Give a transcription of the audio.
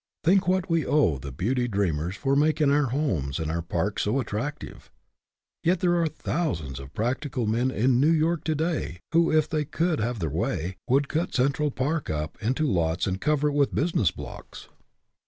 Think what we owe the beauty dreamers for making our homes and our parks so at tractive ! Yet there are thousands of practical men in New York to day who, if they could have their way, would cut Central Park up into lots and cover it with business blocks.